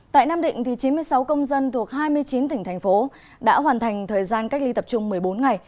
tại nam định chín mươi sáu công dân thuộc hai mươi chín tỉnh thành phố đã hoàn thành thời gian cách ly tập trung một mươi bốn ngày